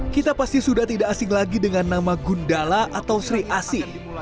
kita pasti sudah tidak asing lagi dengan nama gundala atau sri asi